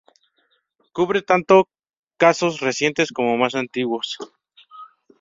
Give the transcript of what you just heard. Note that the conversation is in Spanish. Cubre tanto casos recientes como más antiguos.